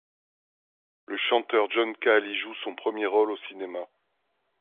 Le chanteur John Cale y joue son premier rôle au cinéma.